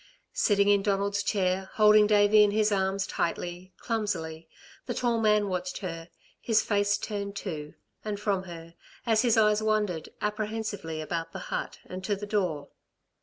Sitting in Donald's chair, holding Davey in his arms, tightly, clumsily, the tall man watched her; his face turned to, and from her, as his eyes wandered apprehensively about the hut, and to the door.